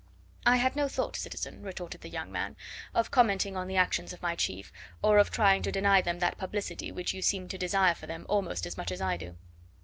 "I had no thought, citizen," retorted the young man, "of commenting on the actions of my chief, or of trying to deny them that publicity which you seem to desire for them almost as much as I do."